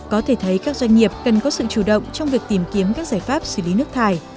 có thể thấy các doanh nghiệp cần có sự chủ động trong việc tìm kiếm các giải pháp xử lý nước thải